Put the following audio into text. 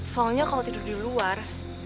soalnya kalau tidur di luar